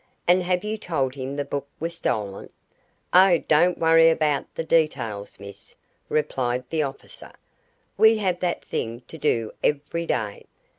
"And have you told him the book was stolen?" "Oh, don't worry about the details, miss," replied the officer. "We have that thing to do every day.